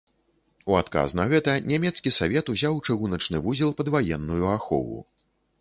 У адказ на гэта нямецкі савет узяў чыгуначны вузел пад ваенную ахову.